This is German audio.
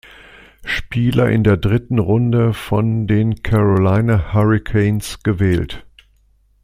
Spieler in der dritten Runde von den Carolina Hurricanes gewählt.